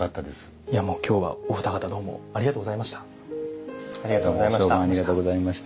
いやもう今日はお二方どうもありがとうございました。